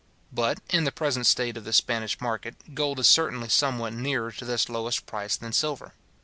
But, in the present state of the Spanish market, gold is certainly somewhat nearer to this lowest price than silver.